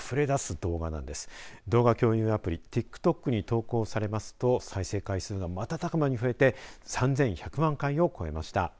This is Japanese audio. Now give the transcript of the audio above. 動画共有アプリＴｉｋＴｏｋに投稿されますと再生されますと瞬く間に増えて３１００万回を超えました。